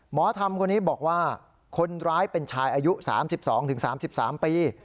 หมอทำคนนี้บอกว่าคนร้ายเป็นชายอายุสามสิบสองถึงสามสิบสามปี